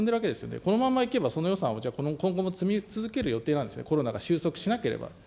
このまんまいけばその予算は今後も積み続ける予定なんですか、コロナが収束しなければ。